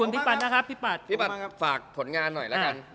พี่ปัจธิ์ฝากผลงานหน่อยละกัน